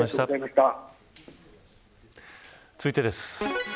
続いてです。